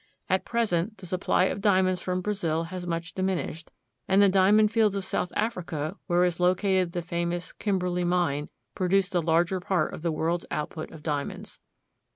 At present, the supply of diamonds from Brazil has much diminished, and the diamond fields of South Africa, where is located the famous Kimberley mine, produce the larger part of the world's output of diamonds.